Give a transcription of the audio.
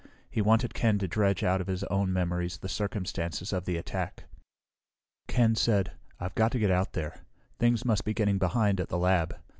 He wanted Ken to dredge out of his own memories the circumstances of the attack. Ken said, "I've got to get out of here. Things must be getting behind at the lab.